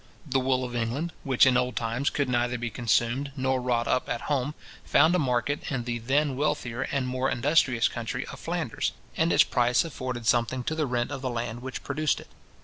The wool of England, which in old times, could neither be consumed nor wrought up at home, found a market in the then wealthier and more industrious country of Flanders, and its price afforded something to the rent of the land which produced it.